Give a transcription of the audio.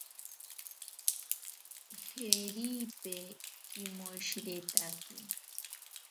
Jeripe kimoshiretake.